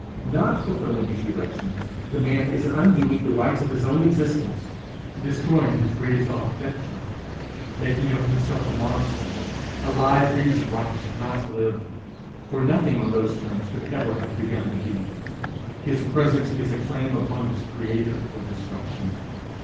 Not fulfilling these relations, the man is undoing the right of his own existence, destroying his raison d'etre, making of himself a monster, a live reason why he should not live, for nothing on those terms could ever have begun to be. His presence is a claim upon his creator for destruction.